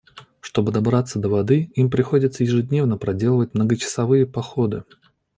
Чтобы добраться до воды, им приходится ежедневно проделывать многочасовые походы.